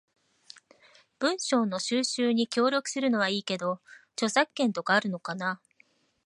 文章の収集に協力するのはいいけど、著作権とかあるのかな？